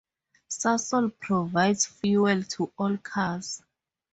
Sasol provides fuel to all cars.